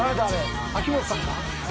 秋元さんか。